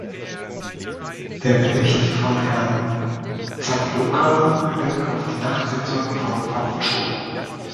Der Bericht von Herrn Zatloukal wird auf die Nachtsitzung vom Mittwoch verschoben.